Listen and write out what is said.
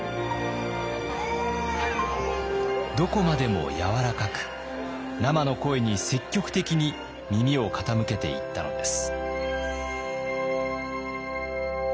どこまでもやわらかく生の声に積極的に耳を傾けていったのです。